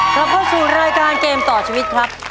ขอบคุณสูตรรายการเกมต่อชีวิตครับ